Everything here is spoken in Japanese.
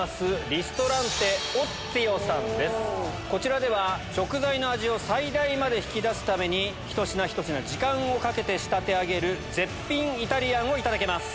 こちらでは食材の味を最大まで引き出すためにひと品ひと品時間をかけて仕立て上げる絶品イタリアンをいただけます。